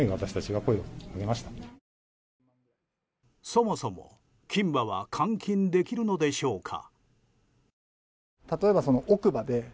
そもそも、金歯は換金できるのでしょうか。